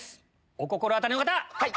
お心当たりの方！